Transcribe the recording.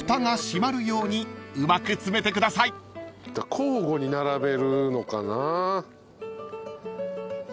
交互に並べるのかな。